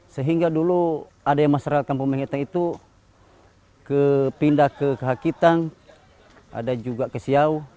sehingga dulu ada yang masyarakat kampung menghitang itu pindah ke kehakitang ada juga ke siau